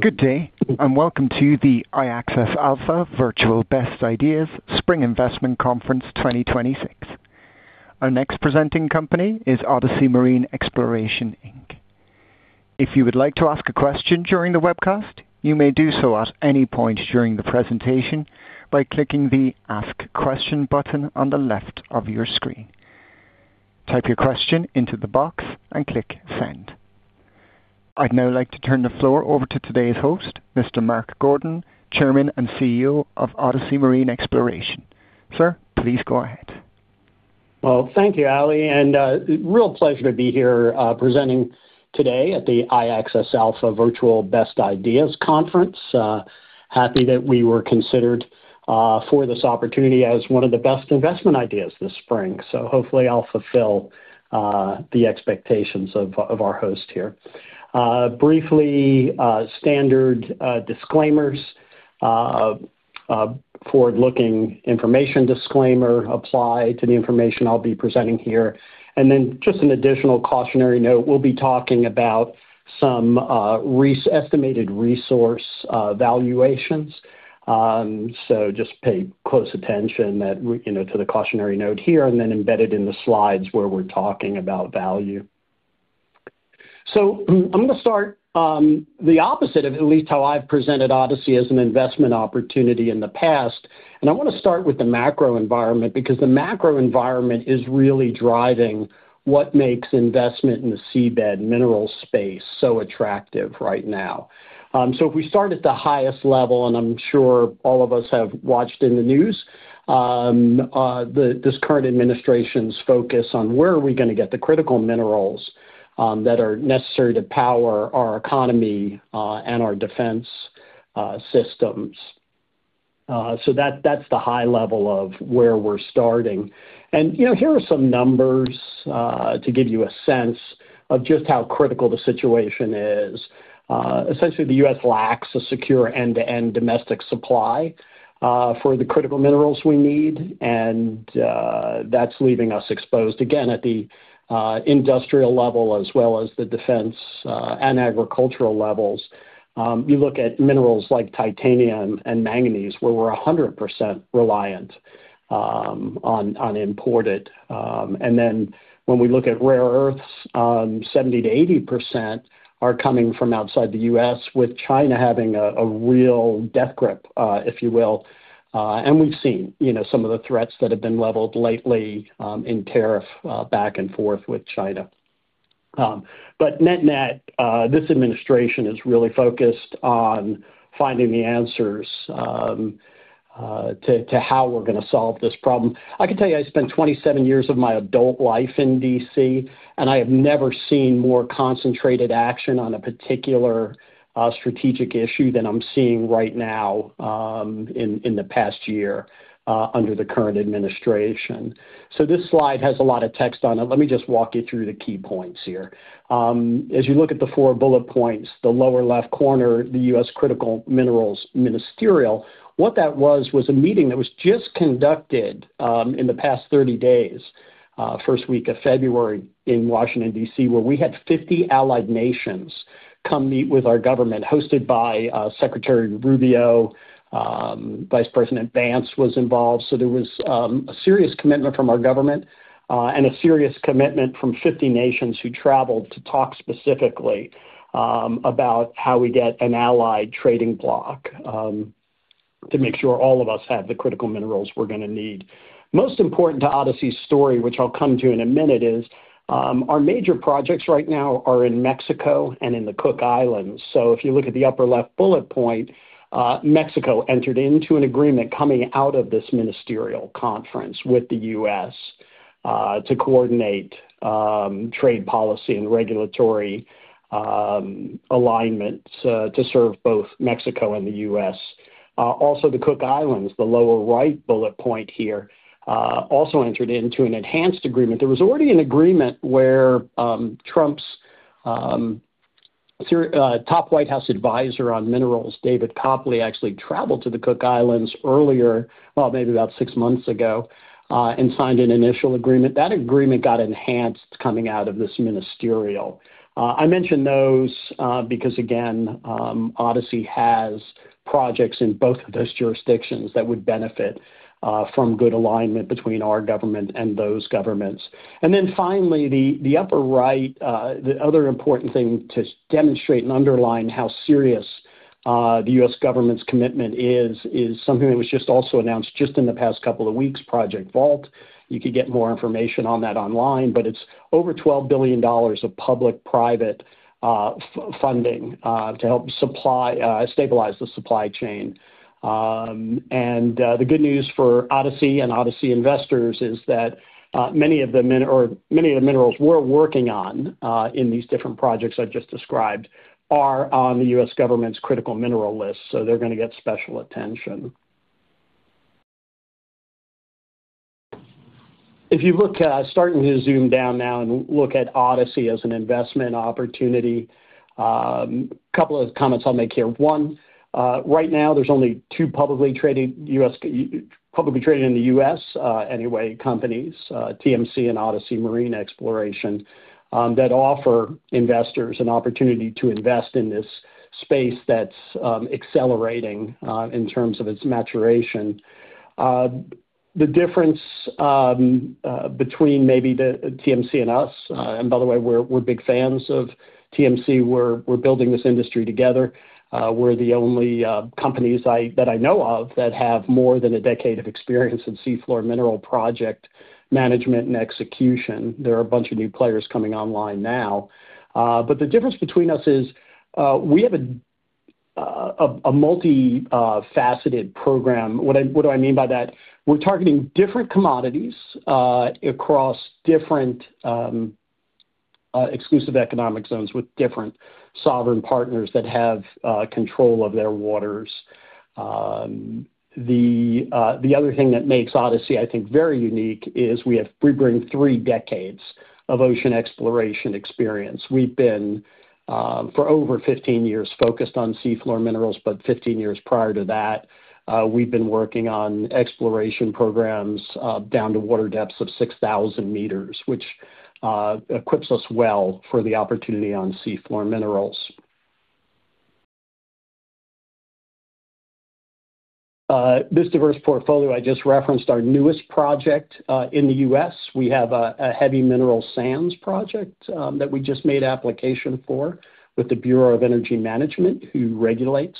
Good day, and welcome to the iAccess Alpha Virtual Best Ideas Spring investment conference 2026. Our next presenting company is Odyssey Marine Exploration, Inc. If you would like to ask a question during the webcast, you may do so at any point during the presentation by clicking the Ask Question button on the left of your screen. Type your question into the box and click Send. I'd now like to turn the floor over to today's host, Mr. Mark Gordon, Chairman and CEO of Odyssey Marine Exploration. Sir, please go ahead. Well, thank you, Ali, and real pleasure to be here, presenting today at the iAccess Alpha Virtual Best Ideas conference. Happy that we were considered for this opportunity as one of the best investment ideas this spring. Hopefully I'll fulfill the expectations of our host here. Briefly, standard disclaimers, forward-looking information disclaimer apply to the information I'll be presenting here. Then just an additional cautionary note, we'll be talking about some re-estimated resource valuations. Just pay close attention that, you know, to the cautionary note here and then embedded in the slides where we're talking about value. I'm gonna start the opposite of at least how I've presented Odyssey as an investment opportunity in the past. I wanna start with the macro environment, because the macro environment is really driving what makes investment in the seabed minerals space so attractive right now. If we start at the highest level, and I'm sure all of us have watched in the news, this current administration's focus on where are we gonna get the critical minerals that are necessary to power our economy and our defense systems. That's the high level of where we're starting. You know, here are some numbers to give you a sense of just how critical the situation is. Essentially, the U.S. lacks a secure end-to-end domestic supply for the critical minerals we need, and that's leaving us exposed, again, at the industrial level as well as the defense and agricultural levels. You look at minerals like titanium and manganese, where we're 100% reliant on imported. When we look at rare earths, 70%-80% are coming from outside the U.S., with China having a real death grip, if you will. We've seen, you know, some of the threats that have been leveled lately in tariff back and forth with China. Net-net, this administration is really focused on finding the answers to how we're gonna solve this problem. I can tell you I spent 27 years of my adult life in D.C., and I have never seen more concentrated action on a particular strategic issue than I'm seeing right now in the past year under the current administration. This slide has a lot of text on it. Let me just walk you through the key points here. As you look at the four bullet points, the lower left corner, the U.S. Critical Minerals Ministerial, what that was a meeting that was just conducted, in the past 30 days, first week of February in Washington, D.C., where we had 50 allied nations come meet with our government, hosted by, Secretary Rubio, Vice President Vance was involved. There was, a serious commitment from our government, and a serious commitment from 50 nations who traveled to talk specifically, about how we get an allied trading bloc, to make sure all of us have the critical minerals we're gonna need. Most important to Odyssey's story, which I'll come to in a minute, is our major projects right now are in Mexico and in the Cook Islands. If you look at the upper left bullet point, Mexico entered into an agreement coming out of this ministerial conference with the U.S. to coordinate trade policy and regulatory alignments to serve both Mexico and the U.S. Also, the Cook Islands, the lower right bullet point here, also entered into an enhanced agreement. There was already an agreement where Trump's top White House advisor on minerals, David Copley, actually traveled to the Cook Islands earlier, well maybe about six months ago and signed an initial agreement. That agreement got enhanced coming out of this ministerial. I mention those because again, Odyssey has projects in both of those jurisdictions that would benefit from good alignment between our government and those governments. Then finally, the upper right, the other important thing to demonstrate and underline how serious the U.S. government's commitment is something that was just also announced just in the past couple of weeks, Project Vault. You could get more information on that online, but it's over $12 billion of public-private funding to help supply stabilize the supply chain. The good news for Odyssey and Odyssey investors is that many of the minerals we're working on in these different projects I've just described are on the U.S. government's critical mineral list, so they're gonna get special attention. If you look starting to zoom down now and look at Odyssey as an investment opportunity, couple of comments I'll make here. One, right now there's only two publicly traded in the U.S., anyway, companies, TMC and Odyssey Marine Exploration, that offer investors an opportunity to invest in this space that's accelerating in terms of its maturation. The difference between maybe the TMC and us, and by the way, we're big fans of TMC. We're building this industry together. We're the only companies that I know of that have more than a decade of experience in seafloor mineral project management and execution. There are a bunch of new players coming online now. The difference between us is we have a multi-faceted program. What do I mean by that? We're targeting different commodities across different exclusive economic zones with different sovereign partners that have control of their waters. The other thing that makes Odyssey, I think, very unique is we bring three decades of ocean exploration experience. We've been for over 15 years focused on seafloor minerals, but 15 years prior to that, we've been working on exploration programs down to water depths of 6,000 m, which equips us well for the opportunity on seafloor minerals. This diverse portfolio I just referenced, our newest project in the U.S. We have a heavy mineral sands project that we just made application for with the Bureau of Ocean Energy Management, who regulates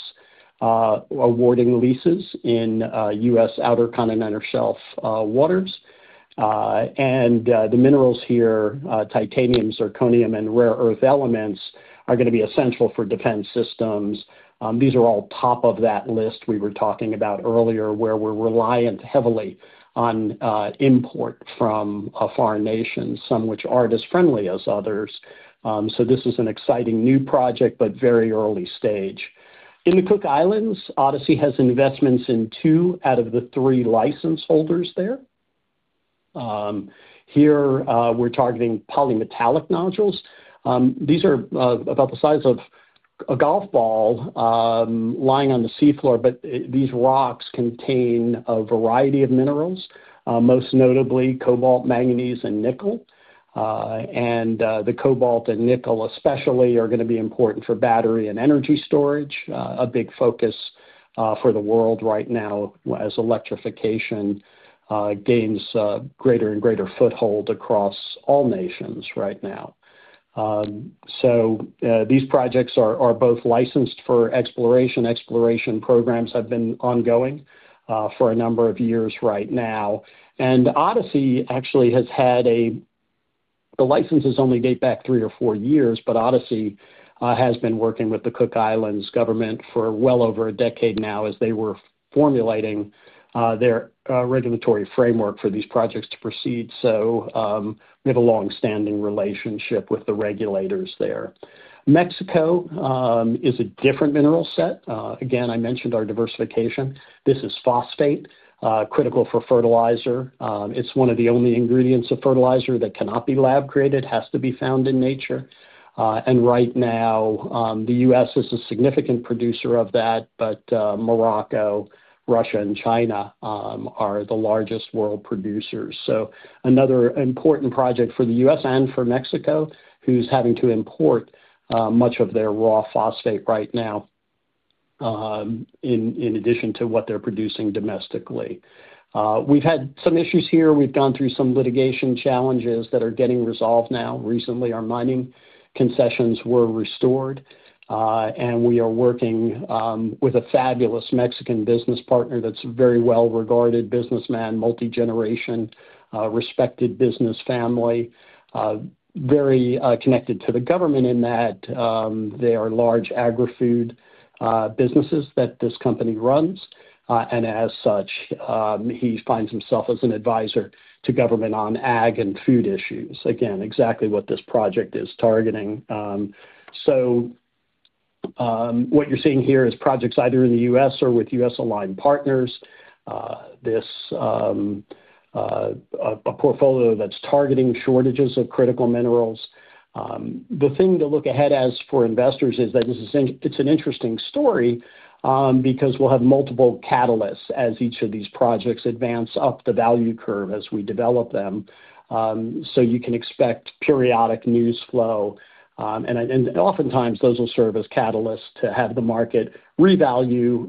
awarding leases in U.S. Outer Continental Shelf waters. The minerals here, titanium, zirconium, and rare earth elements are gonna be essential for defense systems. These are all top of that list we were talking about earlier, where we're reliant heavily on import from a foreign nation, some which aren't as friendly as others. This is an exciting new project, but very early stage. In the Cook Islands, Odyssey has investments in two out of the three license holders there. Here, we're targeting polymetallic nodules. These are about the size of a golf ball, lying on the seafloor, but these rocks contain a variety of minerals, most notably cobalt, manganese, and nickel. The cobalt and nickel especially are gonna be important for battery and energy storage, a big focus for the world right now as electrification gains greater and greater foothold across all nations right now. These projects are both licensed for exploration. Exploration programs have been ongoing for a number of years right now. Odyssey actually has had a... The licenses only date back three or four years, but Odyssey has been working with the Cook Islands government for well over a decade now as they were formulating their regulatory framework for these projects to proceed. We have a long-standing relationship with the regulators there. Mexico is a different mineral set. Again, I mentioned our diversification. This is phosphate, critical for fertilizer. It's one of the only ingredients of fertilizer that cannot be lab created, has to be found in nature. Right now, the U.S. is a significant producer of that, but Morocco, Russia, and China are the largest world producers. Another important project for the U.S. and for Mexico, who's having to import much of their raw phosphate right now, in addition to what they're producing domestically. We've had some issues here. We've gone through some litigation challenges that are getting resolved now. Recently, our mining concessions were restored, and we are working with a fabulous Mexican business partner that's a very well-regarded businessman, multi-generation respected business family, very connected to the government in that they are large agri-food businesses that this company runs. As such, he finds himself as an advisor to government on ag and food issues. Again, exactly what this project is targeting. What you're seeing here is projects either in the U.S. or with U.S.-aligned partners. A portfolio that's targeting shortages of critical minerals. The thing to look ahead, as for investors, is that it's an interesting story, because we'll have multiple catalysts as each of these projects advance up the value curve as we develop them. You can expect periodic news flow, and oftentimes those will serve as catalysts to have the market revalue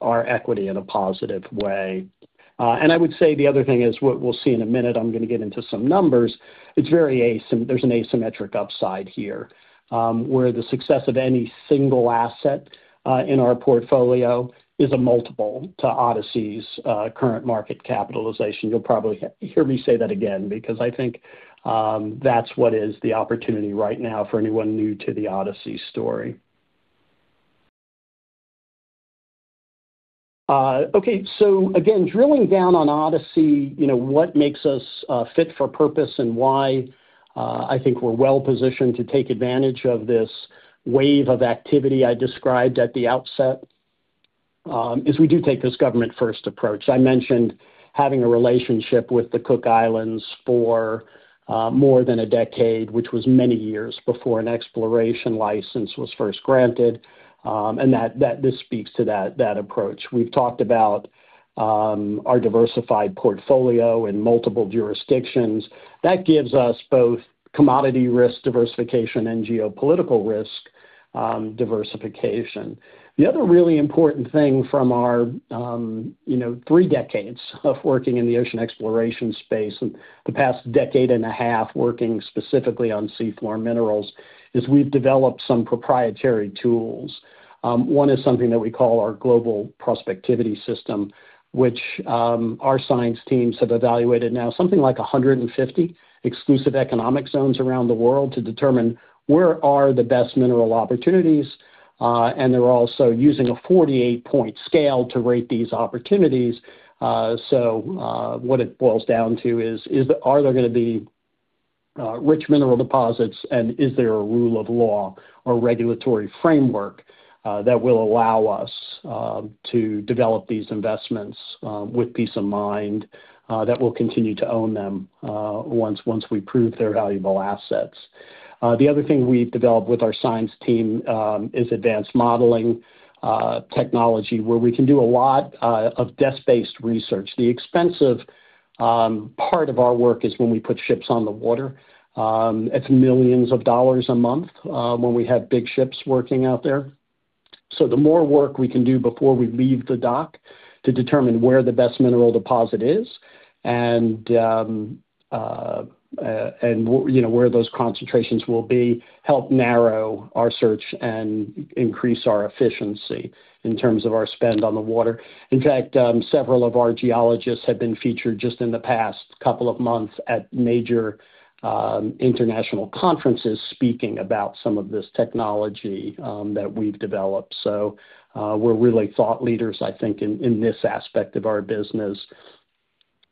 our equity in a positive way. I would say the other thing is what we'll see in a minute. I'm gonna get into some numbers. There's an asymmetric upside here, where the success of any single asset in our portfolio is a multiple to Odyssey's current market capitalization. You'll probably hear me say that again because I think that's what is the opportunity right now for anyone new to the Odyssey story. Okay. Again, drilling down on Odyssey, you know, what makes us fit for purpose and why I think we're well-positioned to take advantage of this wave of activity I described at the outset is we do take this government first approach. I mentioned having a relationship with the Cook Islands for more than a decade, which was many years before an exploration license was first granted. That this speaks to that approach. We've talked about our diversified portfolio in multiple jurisdictions. That gives us both commodity risk diversification and geopolitical risk diversification. The other really important thing from our, you know, three decades of working in the ocean exploration space and the past decade and a half working specifically on seafloor minerals, is we've developed some proprietary tools. One is something that we call our Global Prospectivity System, which our science teams have evaluated now something like 150 exclusive economic zones around the world to determine where are the best mineral opportunities, and they're also using a 48-point scale to rate these opportunities. What it boils down to is are there gonna be rich mineral deposits, and is there a rule of law or regulatory framework that will allow us to develop these investments with peace of mind that we'll continue to own them once we prove they're valuable assets. The other thing we've developed with our science team is advanced modeling technology, where we can do a lot of desk-based research. The expensive part of our work is when we put ships on the water. It's millions of dollars a month when we have big ships working out there. The more work we can do before we leave the dock to determine where the best mineral deposit is and you know where those concentrations will be help narrow our search and increase our efficiency in terms of our spend on the water. In fact, several of our geologists have been featured just in the past couple of months at major international conferences speaking about some of this technology that we've developed. We're really thought leaders, I think, in this aspect of our business.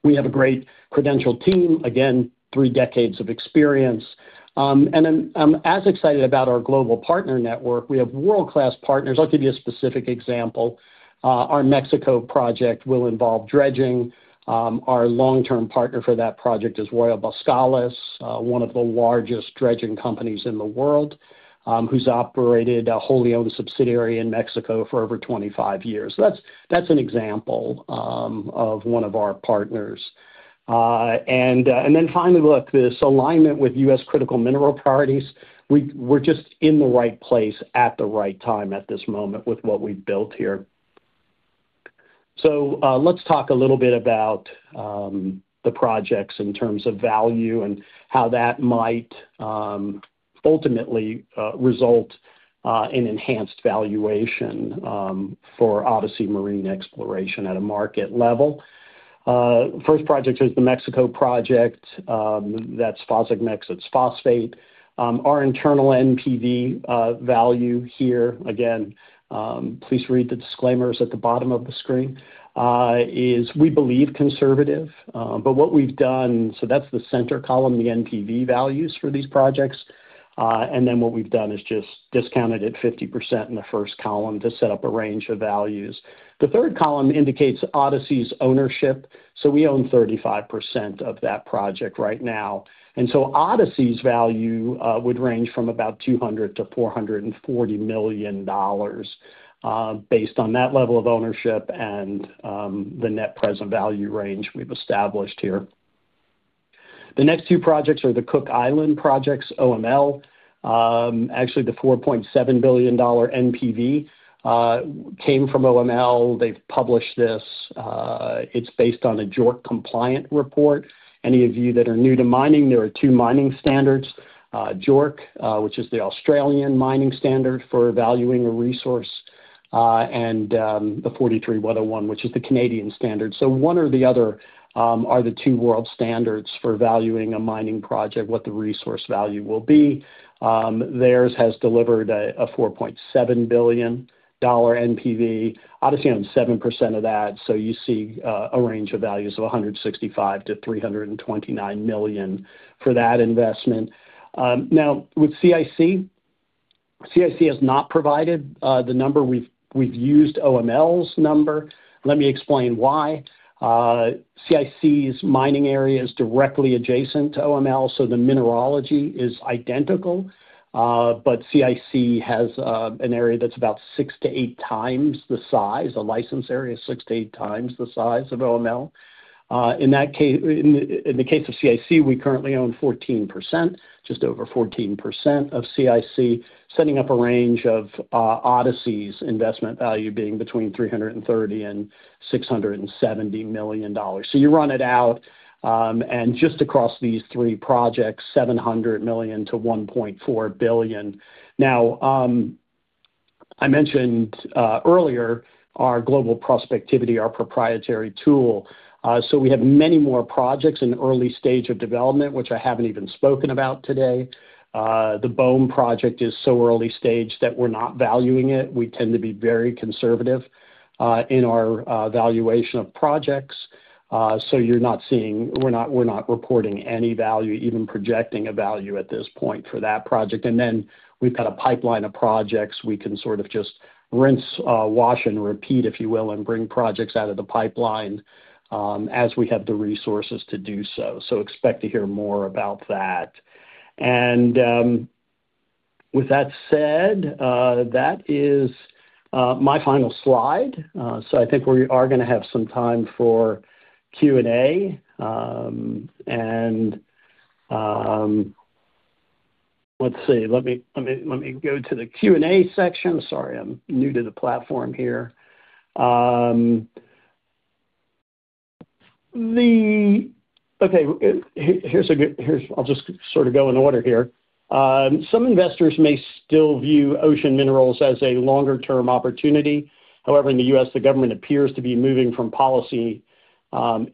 We have a great credentialed team, again, three decades of experience. I'm as excited about our global partner network. We have world-class partners. I'll give you a specific example. Our Mexico project will involve dredging. Our long-term partner for that project is Royal Boskalis, one of the largest dredging companies in the world, who's operated a wholly owned subsidiary in Mexico for over 25 years. That's an example of one of our partners. Finally, look, this alignment with U.S. critical mineral priorities, we're just in the right place at the right time at this moment with what we've built here. Let's talk a little bit about the projects in terms of value and how that might ultimately result in enhanced valuation for Odyssey Marine Exploration at a market level. First project is the Mexico project. That's PHOSAGMEX, it's phosphate. Our internal NPV value here, again, please read the disclaimers at the bottom of the screen, is we believe conservative. That's the center column, the NPV values for these projects. What we've done is just discounted at 50% in the first column to set up a range of values. The third column indicates Odyssey's ownership. We own 35% of that project right now. Odyssey's value would range from about $200 million-$440 million, based on that level of ownership and the net present value range we've established here. The next two projects are the Cook Islands projects, OML. Actually, the $4.7 billion NPV came from OML. They've published this. It's based on a JORC compliant report. Any of you that are new to mining, there are two mining standards, JORC, which is the Australian mining standard for valuing a resource, and the 43-101, which is the Canadian standard. One or the other are the two world standards for valuing a mining project, what the resource value will be. Theirs has delivered a $4.7 billion NPV. Odyssey owns 7% of that. You see a range of values of $165 million-$329 million for that investment. Now, with CIC, has not provided the number. We've used OML's number. Let me explain why. CIC's mining area is directly adjacent to OML, so the mineralogy is identical. CIC has an area that's about 6-8 times the size, the license area is 6-8 times the size of OML. In the case of CIC, we currently own 14%, just over 14% of CIC, setting up a range of Odyssey's investment value being between $330 million and $670 million. You run it out, and just across these three projects, $700 million-$1.4 billion. Now, I mentioned earlier our Global Prospectivity, our proprietary tool. We have many more projects in early stage of development, which I haven't even spoken about today. The BOEM project is so early stage that we're not valuing it. We tend to be very conservative in our valuation of projects. So you're not seeing we're not reporting any value, even projecting a value at this point for that project. We've got a pipeline of projects we can sort of just rinse, wash, and repeat, if you will, and bring projects out of the pipeline as we have the resources to do so. Expect to hear more about that. With that said, that is my final slide. I think we are gonna have some time for Q&A. Let's see. Let me go to the Q&A section. Sorry, I'm new to the platform here. Okay. I'll just sort of go in order here. Some investors may still view ocean minerals as a longer-term opportunity. However, in the U.S., the government appears to be moving from policy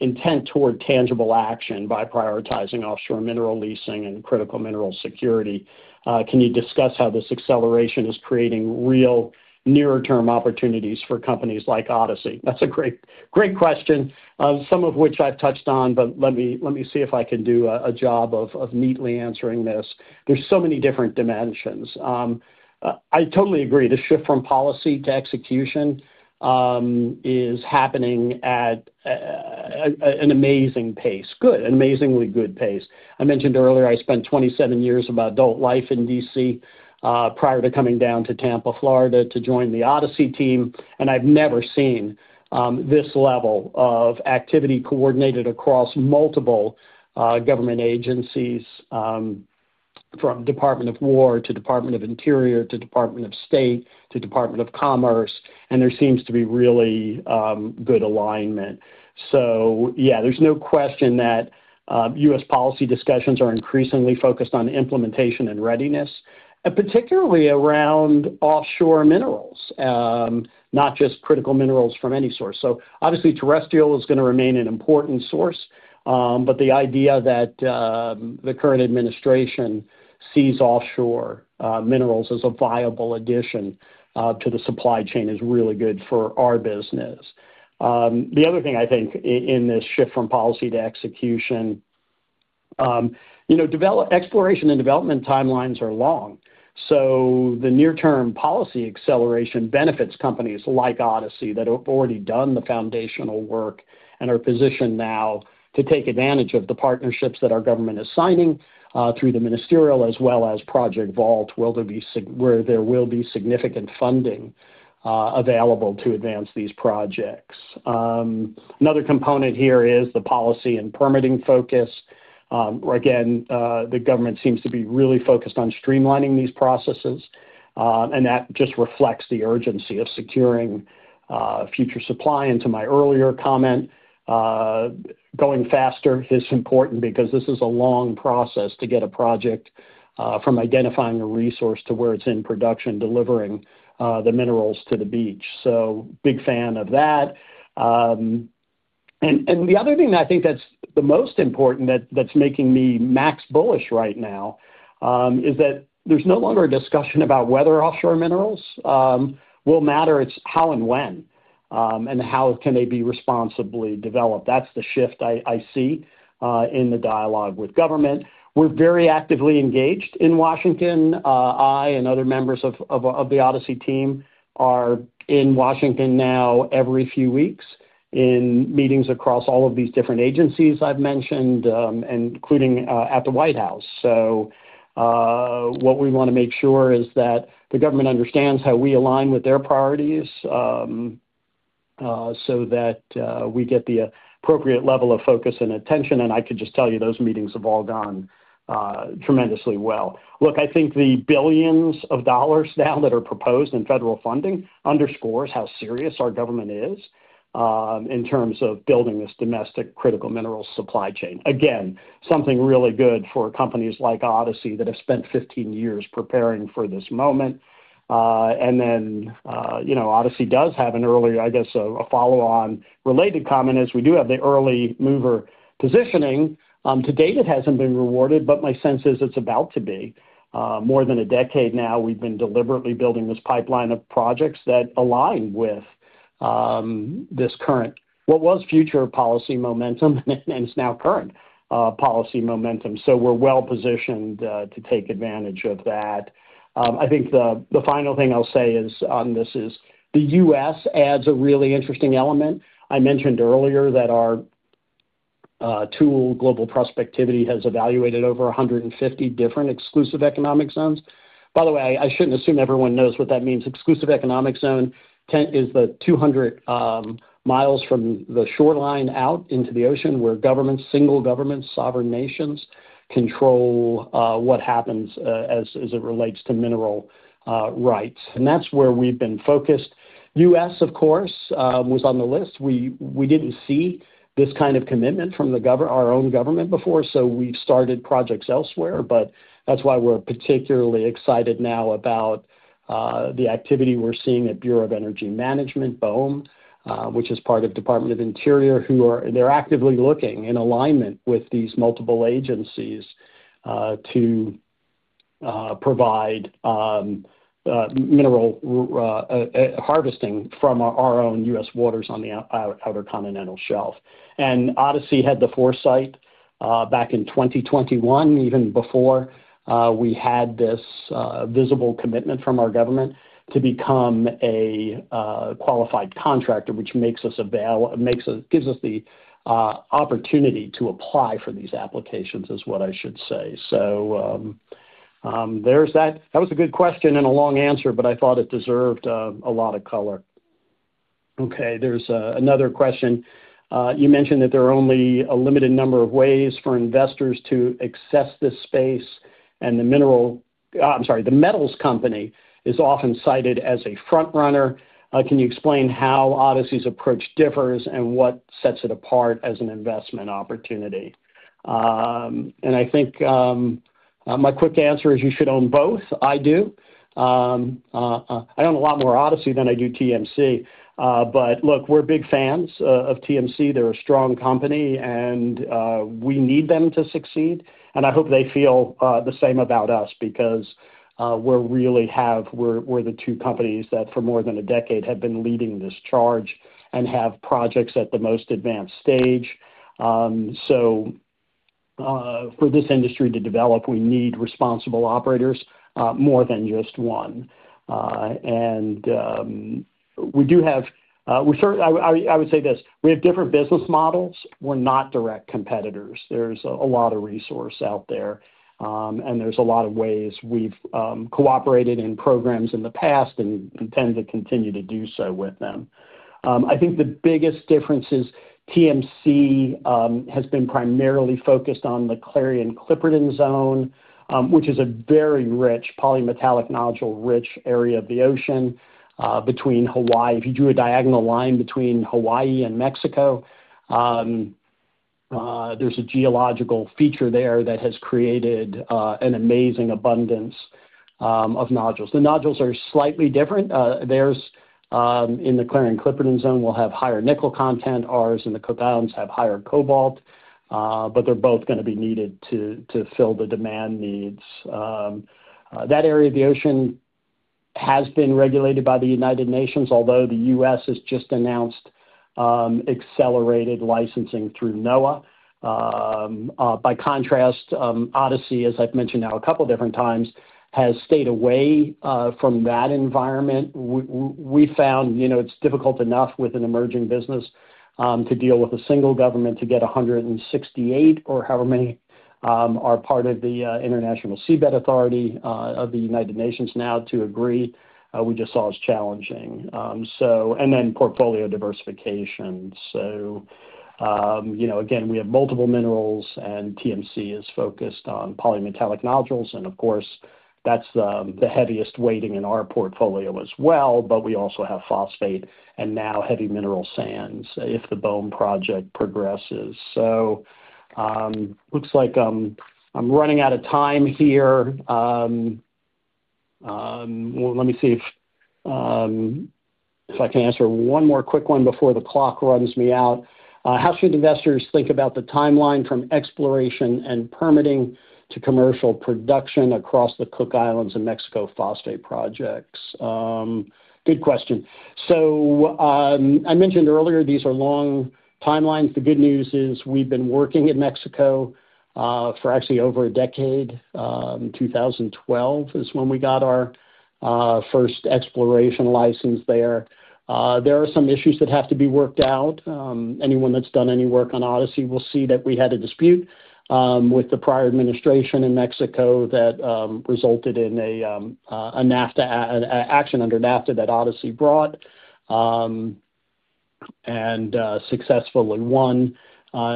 intent toward tangible action by prioritizing offshore mineral leasing and critical mineral security. Can you discuss how this acceleration is creating real nearer-term opportunities for companies like Odyssey? That's a great question, some of which I've touched on, but let me see if I can do a job of neatly answering this. There's so many different dimensions. I totally agree. The shift from policy to execution is happening at an amazing pace. Good. An amazingly good pace. I mentioned earlier, I spent 27 years of my adult life in D.C., prior to coming down to Tampa, Florida, to join the Odyssey team, and I've never seen this level of activity coordinated across multiple government agencies, from Department of War to Department of the Interior to Department of State to Department of Commerce, and there seems to be really good alignment. Yeah, there's no question that U.S. policy discussions are increasingly focused on implementation and readiness, and particularly around offshore minerals, not just critical minerals from any source. Obviously, terrestrial is gonna remain an important source, but the idea that the current administration sees offshore minerals as a viable addition to the supply chain is really good for our business. The other thing I think in this shift from policy to execution, you know, exploration and development timelines are long. The near-term policy acceleration benefits companies like Odyssey that have already done the foundational work and are positioned now to take advantage of the partnerships that our government is signing, through the ministerial as well as Project Vault, where there will be significant funding, available to advance these projects. Another component here is the policy and permitting focus. Again, the government seems to be really focused on streamlining these processes, and that just reflects the urgency of securing, future supply. To my earlier comment, going faster is important because this is a long process to get a project from identifying a resource to where it's in production, delivering the minerals to the beach. Big fan of that. The other thing I think that's the most important that's making me max bullish right now is that there's no longer a discussion about whether offshore minerals will matter. It's how and when and how can they be responsibly developed. That's the shift I see in the dialogue with government. We're very actively engaged in Washington. I and other members of the Odyssey team are in Washington now every few weeks in meetings across all of these different agencies I've mentioned, including at the White House. What we wanna make sure is that the government understands how we align with their priorities, so that we get the appropriate level of focus and attention. I could just tell you those meetings have all gone tremendously well. Look, I think the billions of dollars now that are proposed in federal funding underscores how serious our government is in terms of building this domestic critical mineral supply chain. Again, something really good for companies like Odyssey that have spent 15 years preparing for this moment. You know, Odyssey does have an early, I guess, a follow-on related comment is we do have the early mover positioning. To date, it hasn't been rewarded, but my sense is it's about to be. More than a decade now, we've been deliberately building this pipeline of projects that align with this current, what was future policy momentum, and is now current policy momentum. We're well-positioned to take advantage of that. I think the final thing I'll say on this is the U.S. adds a really interesting element. I mentioned earlier that our tool, Global Prospectivity, has evaluated over 150 different exclusive economic zones. By the way, I shouldn't assume everyone knows what that means. Exclusive economic zone is the 200 mi from the shoreline out into the ocean where governments, single governments, sovereign nations control what happens as it relates to mineral rights. That's where we've been focused. U.S., of course, was on the list. We didn't see this kind of commitment from our own government before, so we started projects elsewhere. That's why we're particularly excited now about the activity we're seeing at Bureau of Ocean Energy Management, BOEM, which is part of Department of the Interior. They're actively looking in alignment with these multiple agencies to provide mineral harvesting from our own U.S. waters on the Outer Continental Shelf. Odyssey had the foresight back in 2021, even before we had this visible commitment from our government to become a qualified contractor, which gives us the opportunity to apply for these applications, is what I should say. There's that. That was a good question and a long answer, but I thought it deserved a lot of color. Okay, there's another question. You mentioned that there are only a limited number of ways for investors to access this space. The Metals Company is often cited as a front-runner. Can you explain how Odyssey's approach differs and what sets it apart as an investment opportunity? I think my quick answer is you should own both. I do. I own a lot more Odyssey than I do TMC. Look, we're big fans of TMC. They're a strong company and we need them to succeed. I hope they feel the same about us because we're the two companies that for more than a decade have been leading this charge and have projects at the most advanced stage. For this industry to develop, we need responsible operators, more than just one. We do have, I would say this, we have different business models. We're not direct competitors. There's a lot of resource out there. There's a lot of ways we've cooperated in programs in the past and intend to continue to do so with them. I think the biggest difference is TMC has been primarily focused on the Clarion-Clipperton Zone, which is a very rich polymetallic nodule rich area of the ocean, between Hawaii. If you drew a diagonal line between Hawaii and Mexico, there's a geological feature there that has created an amazing abundance of nodules. The nodules are slightly different. Theirs in the Clarion-Clipperton Zone will have higher nickel content. Ours in the Cook Islands have higher cobalt, but they're both gonna be needed to fill the demand needs. That area of the ocean has been regulated by the United Nations, although the U.S. has just announced accelerated licensing through NOAA. By contrast, Odyssey, as I've mentioned now a couple different times, has stayed away from that environment. We found, you know, it's difficult enough with an emerging business to deal with a single government to get 168 or however many are part of the International Seabed Authority of the United Nations now to agree, we just saw as challenging. And then portfolio diversification. You know, again, we have multiple minerals, and TMC is focused on polymetallic nodules, and of course, that's the heaviest weighting in our portfolio as well, but we also have phosphate and now heavy mineral sands if the BOEM project progresses. looks like I'm running out of time here. well, let me see if if I can answer one more quick one before the clock runs me out. how should investors think about the timeline from exploration and permitting to commercial production across the Cook Islands and Mexico phosphate projects? good question. I mentioned earlier these are long timelines. The good news is we've been working in Mexico, for actually over a decade. 2012 is when we got our, first exploration license there. There are some issues that have to be worked out. Anyone that's done any work on Odyssey will see that we had a dispute with the prior administration in Mexico that resulted in an action under NAFTA that Odyssey brought and successfully won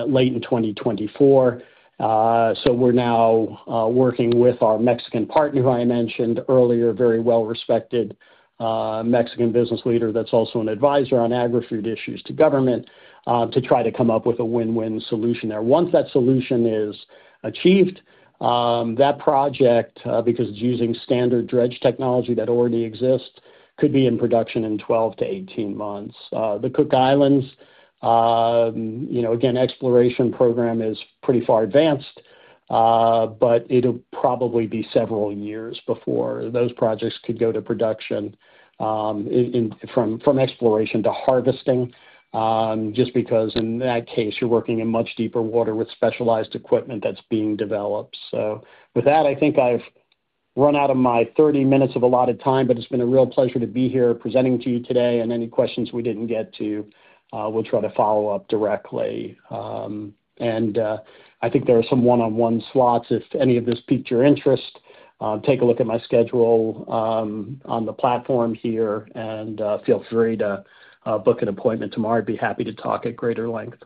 late in 2024. We're now working with our Mexican partner, who I mentioned earlier, very well-respected Mexican business leader that's also an advisor on agri-food issues to government, to try to come up with a win-win solution there. Once that solution is achieved, that project, because it's using standard dredge technology that already exists, could be in production in 12-18 months. The Cook Islands, you know, again, exploration program is pretty far advanced, but it'll probably be several years before those projects could go to production, from exploration to harvesting, just because in that case, you're working in much deeper water with specialized equipment that's being developed. With that, I think I've run out of my 30 minutes of allotted time, but it's been a real pleasure to be here presenting to you today. Any questions we didn't get to, we'll try to follow up directly. I think there are some one-on-one slots. If any of this piqued your interest, take a look at my schedule on the platform here and feel free to book an appointment tomorrow. I'd be happy to talk at greater length.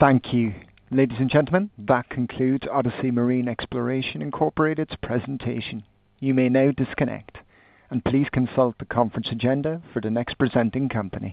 Thank you. Ladies and gentlemen, that concludes Odyssey Marine Exploration Incorporated's presentation. You may now disconnect. Please consult the conference agenda for the next presenting company.